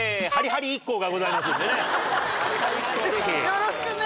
よろしくね！